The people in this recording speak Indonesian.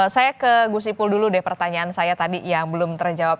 saya ke gus ipul dulu deh pertanyaan saya tadi yang belum terjawab